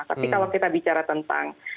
tapi kalau kita bicara tentang